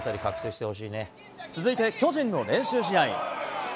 続いて巨人の練習試合。